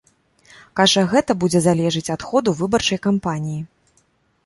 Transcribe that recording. Кажа, гэта будзе залежаць ад ходу выбарчай кампаніі.